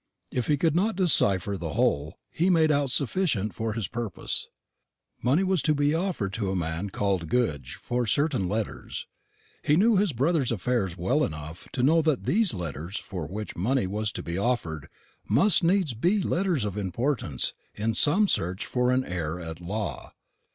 If he could not decipher the whole, he made out sufficient for his purpose. Money was to be offered to a man called Goodge for certain letters. He knew his brother's affairs well enough to know that these letters for which money was to be offered must needs be letters of importance in some search for an heir at law.